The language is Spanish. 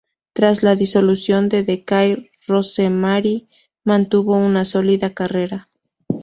Tras la disolución de Decay, Rosemary mantuvo una sólida carrera.